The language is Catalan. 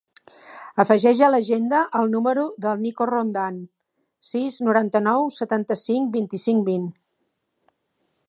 Afegeix a l'agenda el número del Niko Rondan: sis, noranta-nou, setanta-cinc, vint-i-cinc, vint.